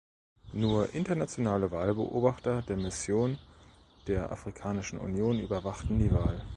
Nur internationale Wahlbeobachter der Mission der Afrikanischen Union überwachten die Wahl.